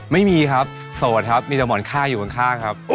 ไม่มีครับโสดครับมีแต่หมอนค่าอยู่ข้างครับ